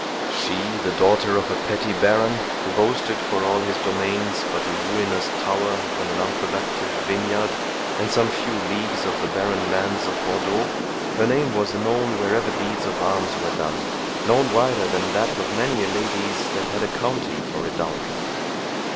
She, the daughter of a petty baron, who boasted for all his domains but a ruinous tower, and an unproductive vineyard, and some few leagues of the barren Landes of Bourdeaux, her name was known wherever deeds of arms were done, known wider than that of many a lady's that had a county for a dowery.